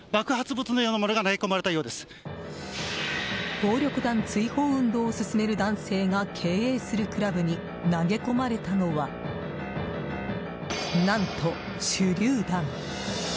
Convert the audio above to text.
暴力団追放運動を進める男性が経営するクラブに投げ込まれたのは何と、手りゅう弾。